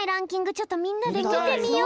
ちょっとみんなでみてみよう！